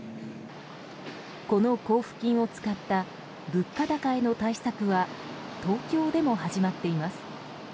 この交付金を使った物価高への対策は東京でも始まっています。